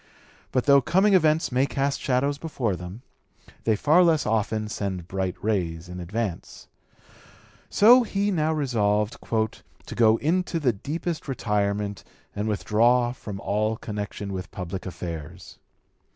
But though coming events may cast shadows before them, they far less often send bright rays in advance. So he now resolved "to go into the deepest retirement and withdraw from all connection with public affairs."